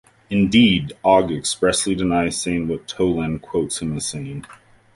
Indeed, Ogg expressly denies saying what Toland quotes him as saying.